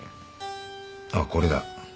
ああこれだ。